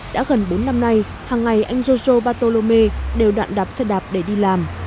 đã gần bốn năm nay hàng ngày anh jojo batolome đều đoạn đạp xe đạp để đi làm